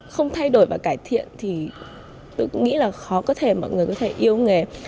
không thay đổi và cải thiện thì tôi nghĩ là khó có thể mọi người có thể yêu nghề